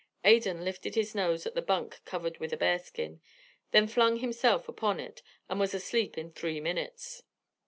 Adan lifted his nose at the bunk covered with a bearskin, then flung himself upon it, and was asleep in three minutes.